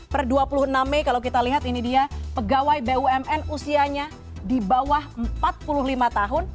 per dua puluh enam mei kalau kita lihat ini dia pegawai bumn usianya di bawah empat puluh lima tahun